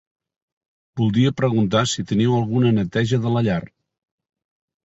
Voldria preguntar si teniu alguna neteja de la llar.